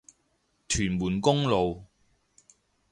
屯門公路